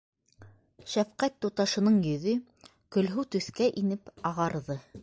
- Шәфҡәт туташының йөҙө көлһыу төҫкә инеп ағарҙы.